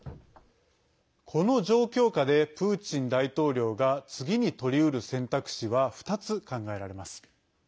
この状況下でプーチン大統領が次にとりうる選択肢は２つ考えられます。